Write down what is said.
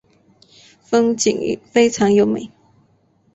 风景非常优美。